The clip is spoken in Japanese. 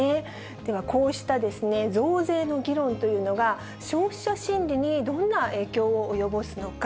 では、こうした増税の議論というのが、消費者心理にどんな影響を及ぼすのか。